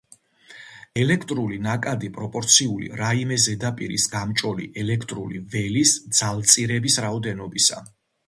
ელექტრული ნაკადი პროპორციული რაიმე ზედაპირის გამჭოლი ელექტრული ველის ძალწირების რაოდენობისა.